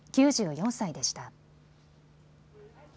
９４歳でした。